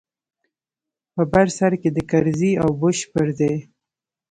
په بر سر کښې د کرزي او بوش پر ځاى.